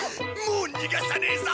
もう逃がさねえぞ！